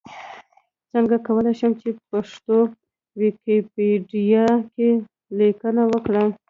څنګه کولی شم چې پښتو ويکيپېډيا کې ليکنې وکړم؟